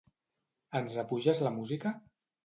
Ens apuges la música?